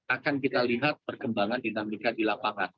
akan kita lihat perkembangan dinamika di lapangan